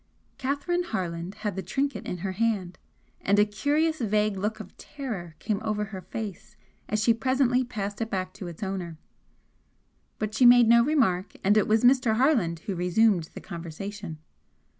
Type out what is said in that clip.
Catherine Harland had the trinket in her hand, and a curious vague look of terror came over her face as she presently passed it back to its owner. But she made no remark and it was Mr. Harland who resumed the conversation.